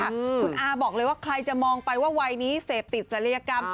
คุณอาบอกเลยว่าใครจะมองไปว่าวัยนี้เสพติดศัลยกรรม